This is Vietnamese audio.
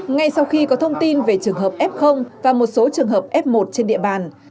ngay sau khi có thông tin về trường hợp f và một số trường hợp f một trên địa bàn